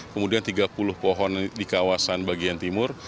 kemudian tiga puluh pohon di kawasan bagian timur